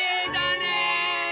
ねえ！